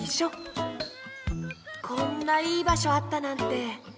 こんないいばしょあったなんて。